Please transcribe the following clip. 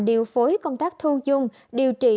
điều phối công tác thu dung điều trị